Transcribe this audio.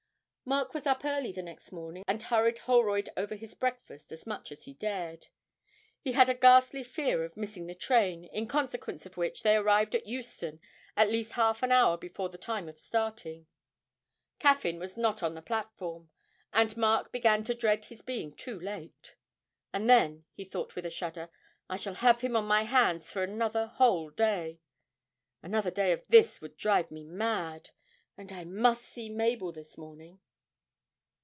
Mark was up early the next morning, and hurried Holroyd over his breakfast as much as he dared. He had a ghastly fear of missing the train, in consequence of which they arrived at Euston at least half an hour before the time of starting. Caffyn was not on the platform, and Mark began to dread his being too late. 'And then,' he thought with a shudder, 'I shall have him on my hands for another whole day. Another day of this would drive me mad! And I must see Mabel this morning.'